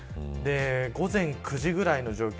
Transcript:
午前９時くらいの状況